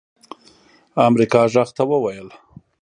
امريکا غږ ته وويل